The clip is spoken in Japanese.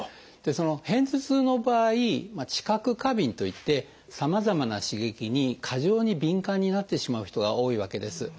片頭痛の場合知覚過敏といってさまざまな刺激に過剰に敏感になってしまう人が多いわけです。